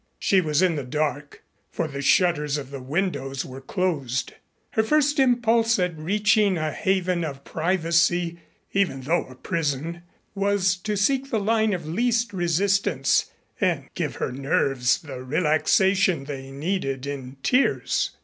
She was in the dark, for the shutters of the windows were closed. Her first impulse at reaching a haven of privacy even though a prison was to seek the line of least resistance and give her nerves the relaxation they needed in tears.